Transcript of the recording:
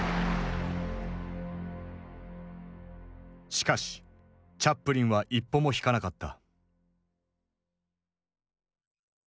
しかしチャップリンは一歩も引かなかった。